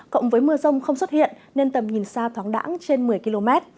cộng với mưa rông không xuất hiện nên tầm nhìn xa thoáng đẳng trên một mươi km